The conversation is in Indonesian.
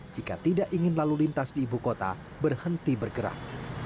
jika tidak ingin lalu lintas di ibu kota berhenti bergerak